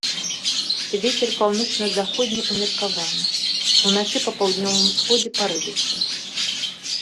Вецер паўночна-заходні ўмеркаваны, уначы па паўночным усходзе парывісты.